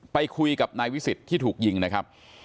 ไปคุยกับนายวิสิทธิ์ที่ถูกยิงนะครับ